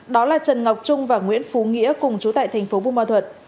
đó là trần ngọc trung và nguyễn phú nghĩa cùng chú tại tp buôn ma thuật